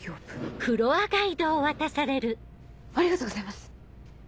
ありがとうございます。